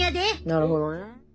なるほどね。